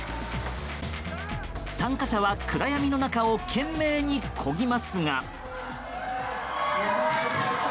参加者は暗闇の中を懸命にこぎますが。